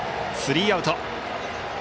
スリーアウト。